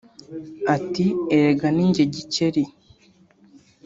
ati “Erega ni jye Gikeli